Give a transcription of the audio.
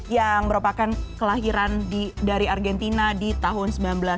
yang merupakan kelahiran dari argentina di tahun seribu sembilan ratus sembilan puluh